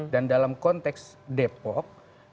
dan dalam konteks depok